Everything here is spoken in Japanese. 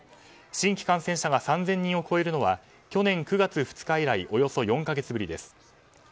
新規感染者が３０００人を超えるのは去年９月２日以来およそ４か月ぶりです。